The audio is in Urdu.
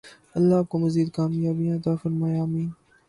الله آپکو مزید کامیابیاں عطا فرمائے ۔آمین